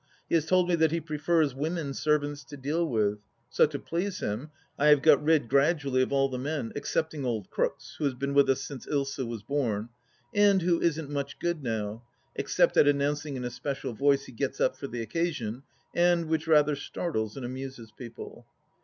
He has told me that he prefers women servants to deal with, so to please him I have got rid gradually of all the men, excepting old Crookes, who has been with us since Ilsa was born, and who isn't much good now, except at announcing in a special voice he gets up for the occasion and which rather startles and amuses people.